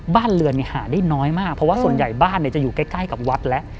บ้านเรือนหาได้น้อยมากเพราะว่าส่วนใหญ่บ้านจะอยู่ใกล้กับวัดแล้ว